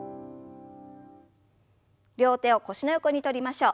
両手を腰の横に取りましょう。